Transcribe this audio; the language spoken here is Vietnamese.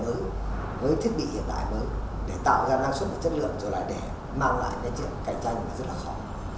những thiết bị hiện đại mới để tạo ra năng suất và chất lượng trở lại để mang lại cái chuyện cạnh tranh rất là khó